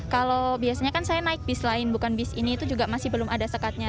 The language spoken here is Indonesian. kalau biasanya kan saya naik bis lain bukan bis ini itu juga masih belum ada sekatnya